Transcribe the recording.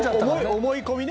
思い込みね。